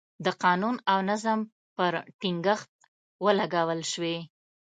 د قانون او نظم پر ټینګښت ولګول شوې.